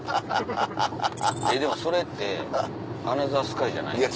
でもそれって『アナザースカイ』じゃないですか？